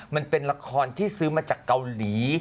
มันเป็นละครที่ซื้อมาจากเกาหลี